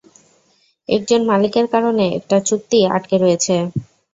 একজন মালিকের কারণে একটা চুক্তি আটকে রয়েছে।